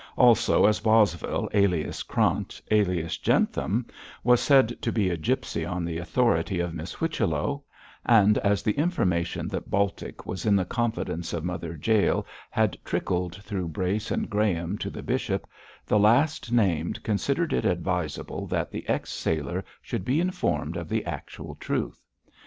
Also, as Bosvile, alias Krant, alias Jentham was said to be a gipsy on the authority of Miss Whichello, and as the information that Baltic was in the confidence of Mother Jael had trickled through Brace and Graham to the bishop, the last named considered it advisable that the ex sailor should be informed of the actual truth.